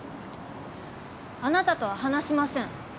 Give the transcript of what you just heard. あなたとは話しません。